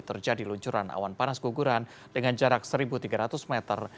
terjadi luncuran awan panas guguran dengan jarak satu tiga ratus meter